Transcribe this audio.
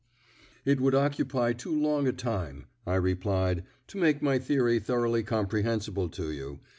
"It would occupy too long a time," I replied, "to make my theory thoroughly comprehensible to you.